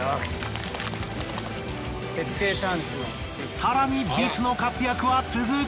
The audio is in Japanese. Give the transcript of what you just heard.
さらにビスの活躍は続く。